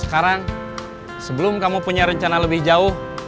sekarang sebelum kamu punya rencana lebih jauh